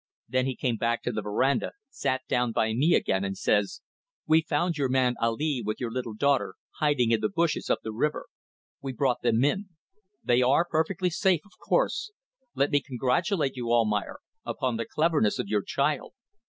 Then he came back to the verandah, sat down by me again, and says: 'We found your man Ali with your little daughter hiding in the bushes up the river. We brought them in. They are perfectly safe, of course. Let me congratulate you, Almayer, upon the cleverness of your child.